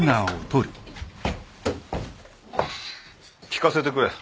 聞かせてくれ。